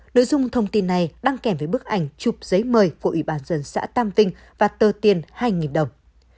nội dung thông tin này đăng kèm với bức ảnh chụp giấy mời của ủy ban dân xã tam vinh và tờ tiền hai đồng